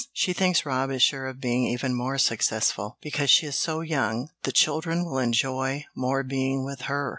She thinks Rob is sure of being even more successful, because she is so young the children will enjoy more being with her."